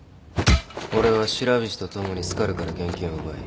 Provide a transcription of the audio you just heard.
俺は白菱と共にスカルから現金を奪い。